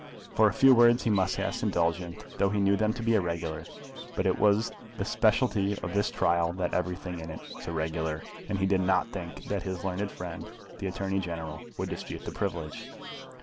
For a few words he must ask indulgence, though he knew them to be irregular. But it was the speciality of this trial that everything in it was irregular, and he did not think that his learned friend the Attorney General would dispute the privilege.